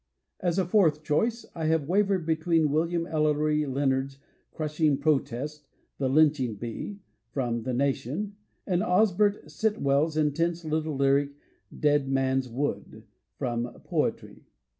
As a fourth choice, I have wavered between William EUery Leonard's crashing protest "The Lynching Bee" (from "The Nation") and Osbert Sit well's intense little lyric "Dead Man's Wood" (from "Poetry").